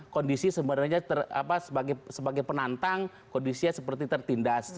kondisi sebenarnya sebagai penantang kondisinya seperti tertindas